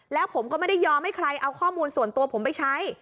แล้วผมก็ไม่ได้ยอมให้ใครเอาข้อมูลส่วนตัวผมไปใช้